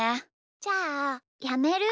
じゃあやめる？